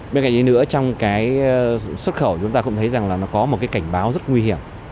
bên cạnh ý nữa trong cái xuất khẩu chúng ta cũng thấy rằng là nó có một cái cảnh báo rất nguy hiểm